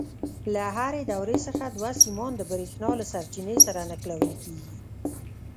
له هرې دورې څخه دوه سیمان د برېښنا له سرچینې سره نښلول کېږي.